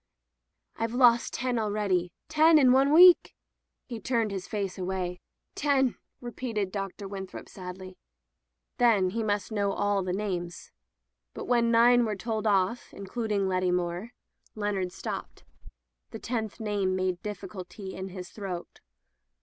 "I've lost ten already. Ten in one week." He turned his face away. "Ten!" repeated Dr. Winthrop sadly. Then he must know all the names. But when [ 403 ] Digitized by LjOOQ IC Interventions nine were told off, including Letty Moore, Leonard stopped. The tenth name made dif ficulty in his throat.